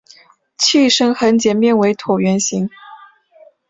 器身横截面为椭圆形。